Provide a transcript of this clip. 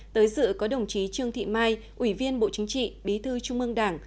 tới dự có đồng chí trương thị mai ủy viên bộ chính trị bí thư trung ương đảng